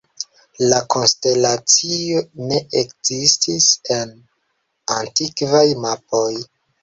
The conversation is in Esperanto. La konstelacio ne ekzistis en antikvaj mapoj.